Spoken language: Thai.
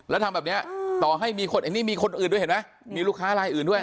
แล้วทำแบบเนี่ยต่อให้มีคนอื่นด้วยเห็นมั้ยมีลูกค้ารายอื่นด้วย